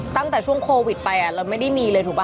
ตั้งแต่ช่วงโควิดไปเราไม่ได้มีเลยถูกป่